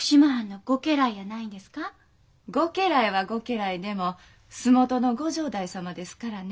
御家来は御家来でも洲本の御城代様ですからね。